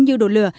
như đồ lửa